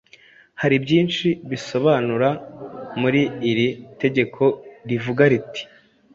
Hari byinshi bisobanukira muri iri tegeko rivuga riti: